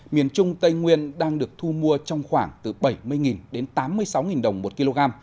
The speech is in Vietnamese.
miền trung tây nguyên đang được thu mua trong khoảng từ bảy mươi đến tám mươi sáu đồng một kg